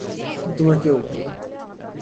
তোমাকেও, বাবা!